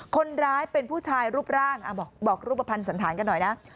คนร้ายเป็นผู้ชายรูปร่างบอกรูปภัณฑ์สันธารกันหน่อยนะ